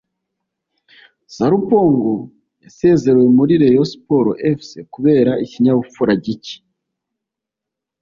Sarpong yasezerewe muri rayon sport fc kubera ikinyabupfura gike